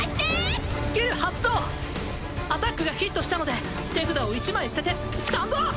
スキル発動アタックがヒットしたので手札を１枚捨ててスタンド！